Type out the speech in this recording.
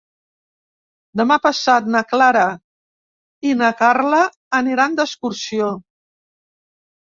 Demà passat na Clara i na Carla aniran d'excursió.